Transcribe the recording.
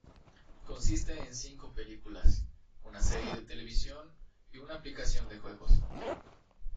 Consiste en cinco películas, una serie de televisión y una aplicación de juegos.